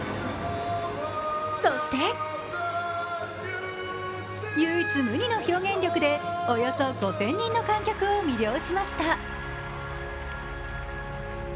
そして唯一無二の表現力でおよそ５０００人の観客を魅了しました。